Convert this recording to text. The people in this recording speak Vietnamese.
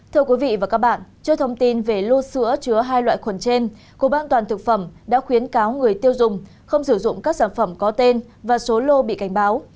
thưa quý vị và các bạn trước thông tin về lô sữa chứa hai loại khuẩn trên cục an toàn thực phẩm đã khuyến cáo người tiêu dùng không sử dụng các sản phẩm có tên và số lô bị cảnh báo